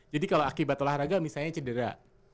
jadi kalau akibat olahraga misalnya cedera